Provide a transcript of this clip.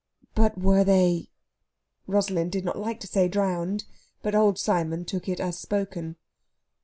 "But were they?..." Rosalind did not like to say drowned; but old Simon took it as spoken.